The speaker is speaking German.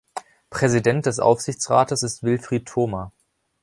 Präsident des Aufsichtsrates ist Wilfried Thoma.